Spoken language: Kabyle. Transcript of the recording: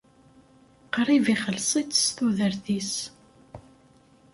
Qrib ixelleṣ-itt s tudert-is.